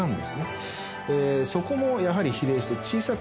そこもやはり比例して小さくなる。